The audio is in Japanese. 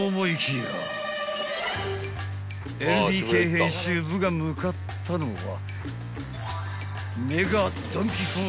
［ＬＤＫ編集部が向かったのは］